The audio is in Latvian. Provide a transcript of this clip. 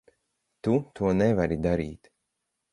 Tu to nevari darīt.